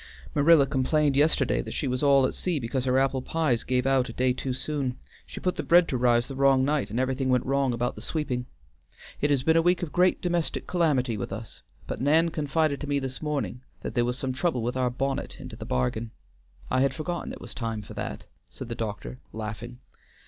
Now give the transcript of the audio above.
"Marilla complained yesterday that she was all at sea because her apple pies gave out a day too soon. She put the bread to rise the wrong night, and everything went wrong about the sweeping. It has been a week of great domestic calamity with us, but Nan confided to me this morning that there was some trouble with our bonnet into the bargain. I had forgotten it was time for that," said the doctor, laughing.